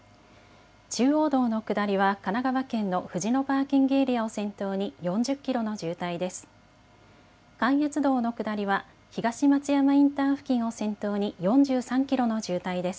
中央道の下りは神奈川県のふじのパーキングエリアを先頭に４０キロの渋滞です。